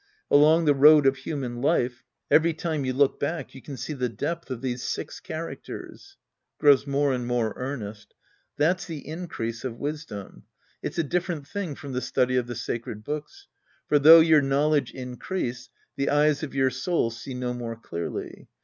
Along the road of human life, every time you look back, you can see the depth of these six characters. {Grows more and more earnest.^ That's the increase of wisdom. It's a different thing from the study of the sacred books. For though your knowledge increase, the eyes of your soul see no more clearly.